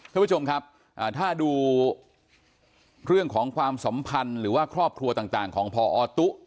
ท่านผู้ชมครับถ้าดูเรื่องของความสัมพันธ์หรือว่าครอบครัวต่างของพอตุ๊